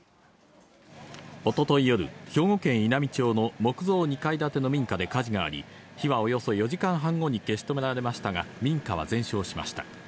一昨日夜、兵庫県稲美町の木造２階建ての民家で火事があり、火はおよそ４時間半後に消し止められましたが、民家は全焼しました。